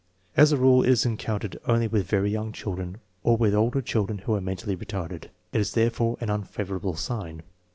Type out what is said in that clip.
As a rule it is encountered only with very young children or with older children who are mentally retarded. It is therefore an unfavorable sign.